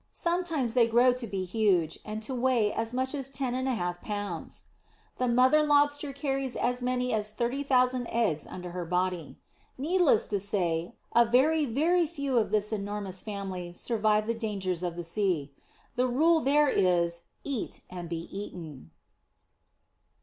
Sometimes they grow to be huge, and to weigh as much as ten and a half pounds. The mother Lobster carries as many as thirty thousand eggs under her body! Needless to say, a very, very few of this enormous family survive the dangers of the sea. The rule there is "Eat and be eaten!".